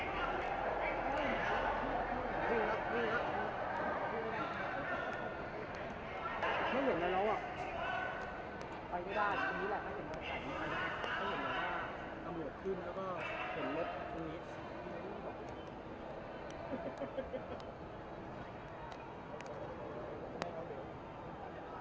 ไม่เห็นแบบว่าตำรวจขึ้นแล้วก็เห็นมัดตรงนี้